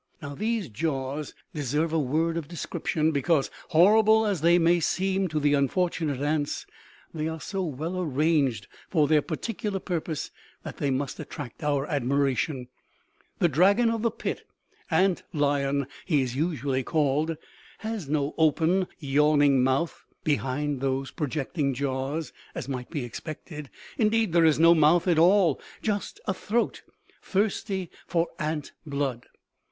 Now, these jaws deserve a word of description. Because, horrible as they may seem to the unfortunate ants, they are so well arranged for their particular purpose that they must attract our admiration. The dragon of the pit, ant lion he is usually called, has no open, yawning mouth behind those projecting jaws, as might be expected. Indeed there is no mouth at all, just a throat, thirsty for ant blood!